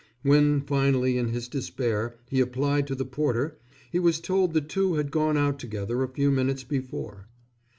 When finally, in his despair, he applied to the porter, he was told the two had gone out together a few minutes before.